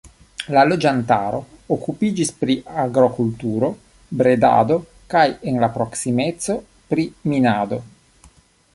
La loĝantaro okupiĝis pri agrokulturo, bredado kaj en la proksimeco pri minado.